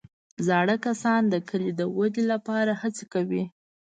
زاړه کسان د کلي د ودې لپاره هڅې کوي